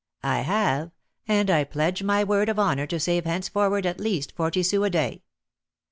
"I have; and I pledge my word of honour to save henceforward at least forty sous a day."